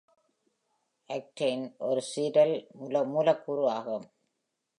Acetoin ஒரு சிரல் மூலக்கூறு ஆகும்.